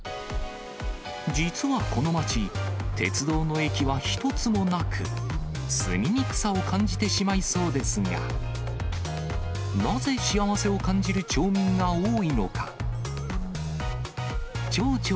実はこの街、鉄道の駅は一つもなく、住みにくさを感じてしまいそうですが、なぜ幸せを感じる町民が多いのか。